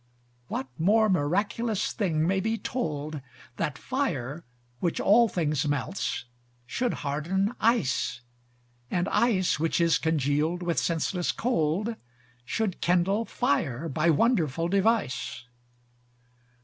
What more miraculous thing may be told That fire which all things melts, should harden ice: And ice which is congealed with senseless cold, Should kindle fire by wonderful device?